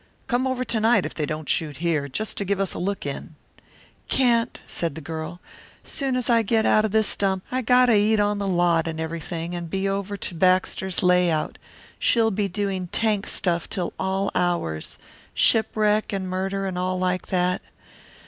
Come over tonight if they don't shoot here, just to give us a look in." "Can't," said the girl. "Soon as I get out o' this dump I got to eat on the lot and everything and be over to Baxter's layout she'll be doing tank stuff till all hours shipwreck and murder and all like that.